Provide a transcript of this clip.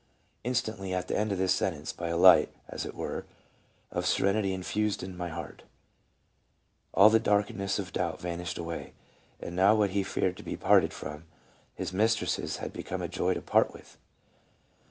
" Instantly at the end of this sentence, by alight, as it were, of serenity infused into my heart, all the darkness of doubt van ished away," and now what he feared to be parted from, his mistresses, had become a joy to part with.